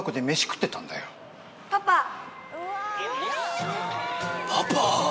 パパ！？